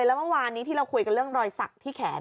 แล้วเมื่อวานนี้ที่เราคุยกันเรื่องรอยสักที่แขน